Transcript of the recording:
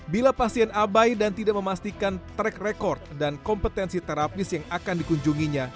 bila pasien abai dan tidak memastikan track record dan kompetensi terapis yang akan dikunjunginya